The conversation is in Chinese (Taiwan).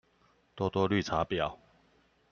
多多綠茶婊